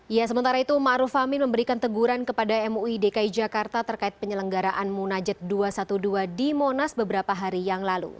ya sementara itu ⁇ maruf ⁇ amin memberikan teguran kepada mui dki jakarta terkait penyelenggaraan munajat dua ratus dua belas di monas beberapa hari yang lalu